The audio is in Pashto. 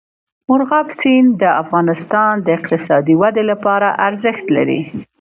مورغاب سیند د افغانستان د اقتصادي ودې لپاره ارزښت لري.